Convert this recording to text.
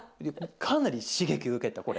かなり刺激受けたこれ。